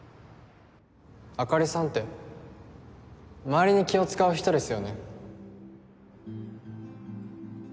あかりさんって周りに気を使う人ですよね